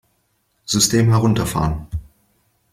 System herunterfahren!